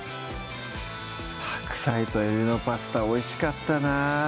白菜とえびのパスタおいしかったな